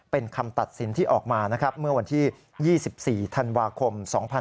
เป็นคำตัดสินที่ออกมานะครับเมื่อวันที่๒๔ธันวาคม๒๕๖๒